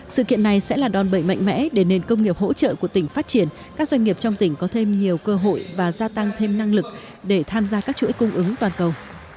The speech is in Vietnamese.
sự kiện này sẽ là đòn bẩy mạnh mẽ để nền công nghiệp hỗ trợ của tỉnh phát triển các doanh nghiệp trong tỉnh có thêm nhiều cơ hội và gia tăng thêm năng lực để tham gia các chuỗi cung ứng toàn cầu